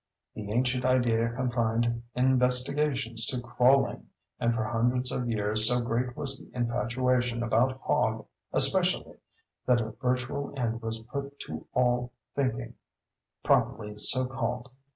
The ancient idea confined investigations to crawling; and for hundreds of years so great was the infatuation about Hog especially, that a virtual end was put to all thinking, properly so called.